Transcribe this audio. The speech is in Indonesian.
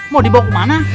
mau dibawa kemana